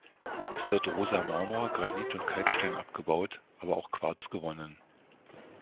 Es wird rosa Marmor, Granit und Kalkstein abgebaut, aber auch Quarz gewonnen.